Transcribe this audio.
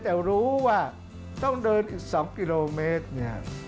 แต่รู้ว่าต้องเดินอีก๒กิโลเมตรเนี่ย